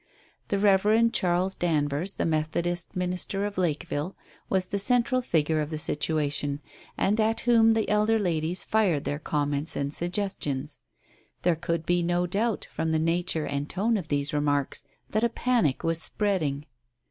The Rev. Charles Danvers, the Methodist minister of Lakeville, was the central figure of the situation, and at whom the elder ladies fired their comments and suggestions. There could be no doubt, from the nature and tone of these remarks, that a panic was spreading.